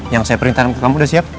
yang saya perintahkan ke kamu sudah siap